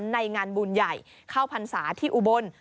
ในงานบุญใหญ่เข้าพรรษาที่อุบล